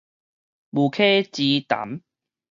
無稽之談